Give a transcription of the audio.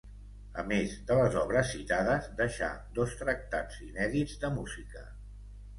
A més de les obres citades deixà dos tractats inèdits de música.